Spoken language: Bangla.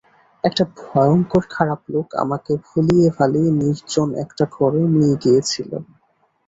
একটা ভয়ঙ্কর খারাপ লোক আমাকে ভুলিয়ে-ভালিয়ে নির্জন একটা ঘরে নিয়ে গিয়েছিল।